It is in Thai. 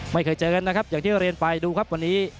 ไม่เคยเจอกันนะครับอย่างที่เรียนไปดูครับวันนี้